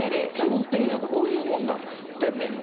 基本的にはこういうものなんですって、メニュー。